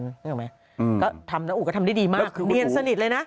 ได้หรอไหมอืมก็ทำแล้วอู๋ก็ทำได้ดีมากคือเนียนสนิทเลยน่ะ